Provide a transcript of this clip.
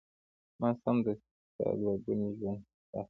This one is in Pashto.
ما سمدستي ستا دوه ګونی ژوند احساس کړ.